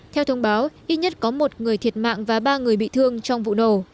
theo thông báo ít nhất có một người thiệt mạng và ba người bị thương trong vụ nổ